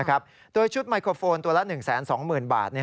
โดยชุดไมโครโฟนตัวละ๑๒๐๐๐บาท